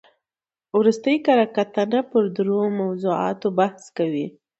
ورستۍ کره کتنه پر درو موضوعاتو بحث کوي.